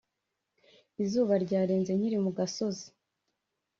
Izuba ryarenze nkiri mu gasozi